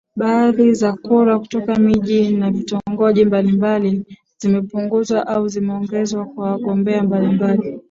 baadhi za kura kutoka miji na vitongoji mbalimbali zimepunguzwa au zimeongezwa kwa wagombea mbalimbali